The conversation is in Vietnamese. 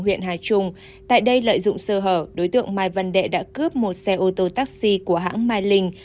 huyện hà trung tại đây lợi dụng sơ hở đối tượng mai văn đệ đã cướp một xe ô tô taxi của hãng mai linh